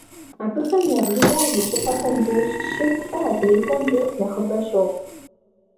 Абыхэм я бжыгъэр зы щӏыпӏэхэм деж щы-плӏы, адрейхэм деж нэхъыбэ щохъу.